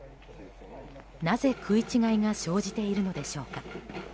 なぜ食い違いが生じているのでしょうか。